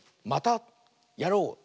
「またやろう！」。